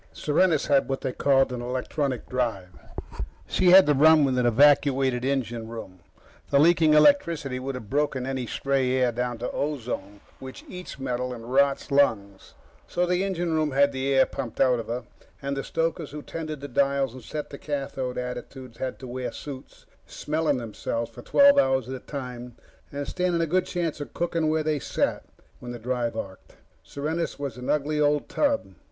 Serenus had what they called an electronic drive. She had to run with an evacuated engine room. The leaking electricity would have broken any stray air down to ozone, which eats metal and rots lungs. So the engine room had the air pumped out of her, and the stokers who tended the dials and set the cathode attitudes had to wear suits, smelling themselves for twelve hours at a time and standing a good chance of cooking where they sat when the drive arced. Serenus was an ugly old tub.